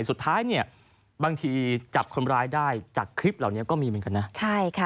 สุดท้ายเนี่ยบางทีจับคนร้ายได้จากคลิปเหล่านี้ก็มีเหมือนกันนะใช่ค่ะ